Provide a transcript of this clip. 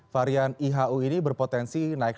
varian ihu ini berpotensi naik